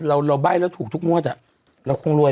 เป็นการกระตุ้นการไหลเวียนของเลือด